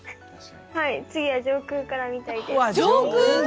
次は上空から見たいです。